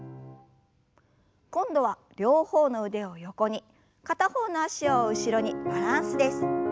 今度は両方の腕を横に片方の脚を後ろにバランスです。